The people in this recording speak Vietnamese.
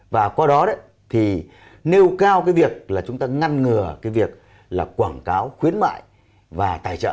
và qua đó đấy thì nêu cao cái việc là chúng ta ngăn ngừa cái việc là quảng cáo khuyến mại và tài trợ